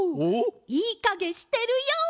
いいかげしてるＹＯ！